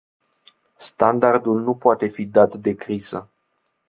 Standardul nu poate fi dat de criză!